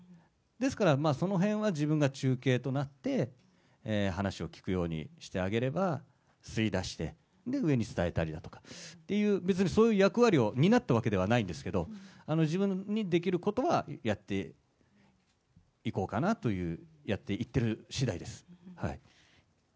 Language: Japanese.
ですから、そのへんは自分が中継となって、話を聞くようにしてあげれば、吸い出して、上に伝えたりだとかっていう、別にそういう役割を担ったわけではないんですけど、自分にできることはやっていこうかなという、やっていってるしだいです。